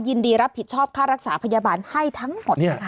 ยินดีรับผิดชอบค่ารักษาพยาบาลให้ทั้งหมดนะคะ